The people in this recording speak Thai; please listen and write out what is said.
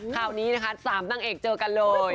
คราวนี้นะคะ๓นางเอกเจอกันเลย